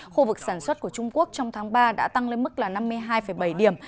khu vực sản xuất của trung quốc trong tháng ba đã tăng lên mức là năm mươi hai bảy điểm